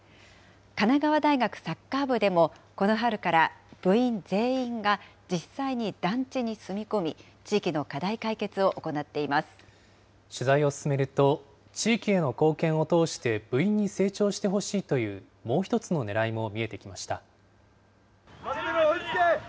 神奈川大学サッカー部でも、この春から部員全員が実際に団地に住み込み、取材を進めると、地域への貢献を通して部員に成長してほしいというもう１つのねらいも見えてきました。